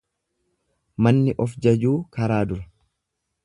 Manni of jajuu karaa dura.